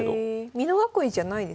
美濃囲いじゃないですもんね。